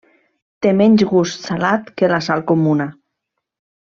Té menys gust salat que la sal comuna.